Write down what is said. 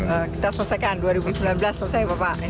kita selesaikan dua ribu sembilan belas selesai pak pak